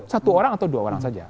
satu orang atau dua orang saja